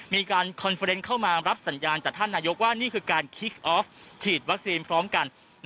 มีการคอนเฟอร์เนนเข้ามารับสัญญาณจากท่านนายกว่านี่คือการคิกออฟฉีดวัคซีนพร้อมกัน